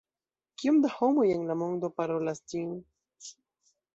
Kiom da homoj en la mondo parolas ĝin?